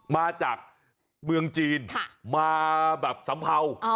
มาจากเมืองจีนมาแบบสัมเภา